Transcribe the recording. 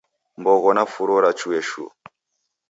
Mbogho na furo rachue shu